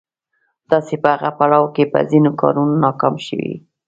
تاسې په هغه پړاو کې په ځينو کارونو ناکام شوي وئ.